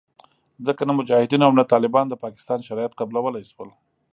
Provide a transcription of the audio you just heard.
ځکه نه مجاهدینو او نه طالبانو د پاکستان شرایط قبلولې شول